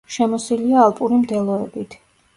შემოსილია ალპური მდელოებით.